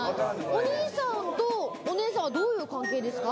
お兄さんとお姉さんはどういう関係ですか？